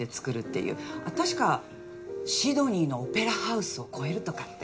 確かシドニーのオペラハウスを超えるとかって。